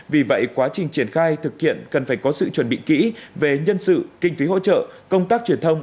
vì vậy quá trình triển khai thực hiện cần phải có sự chuẩn bị kỹ về nhân sự kinh phí hỗ trợ công tác truyền thông